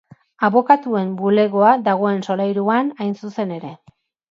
Abokatuen bulegoa dagoen solairuan, hain zuzen ere.